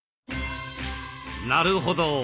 なるほど。